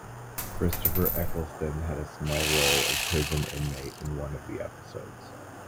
Christopher Eccleston had a small role of prison inmate in one of the episodes.